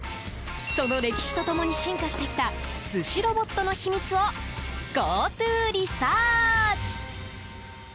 その歴史と共に進化してきた寿司ロボットの秘密をＧｏＴｏリサーチ！